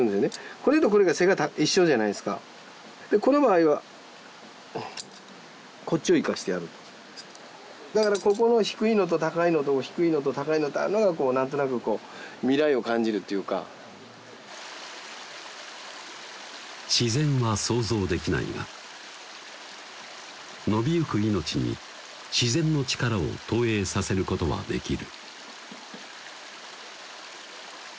これとこれが背が一緒じゃないですかでこの場合はこっちを生かしてやるだからここの低いのと高いのと低いのと高いのとあるのがこうなんとなくこう未来を感じるっていうか自然は創造できないが伸びゆく命に自然の力を投影させることはできる